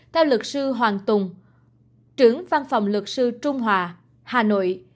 theo lực sư hoàng tùng trưởng văn phòng lực sư trung hòa hà nội